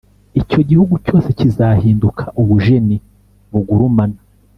Icyo gihugu cyose kizahinduka ubujeni bugurumana,